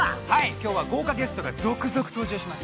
今日は豪華ゲストが続々登場します。